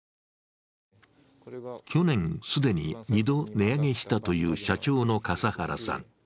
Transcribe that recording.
去年、既に２度値上げしたという社長の笠原さん。